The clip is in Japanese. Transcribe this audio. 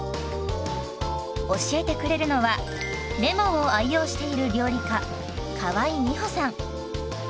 教えてくれるのはレモンを愛用している料理家河井美歩さん。